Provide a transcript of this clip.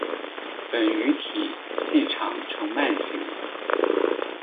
本鱼体细长呈鳗形。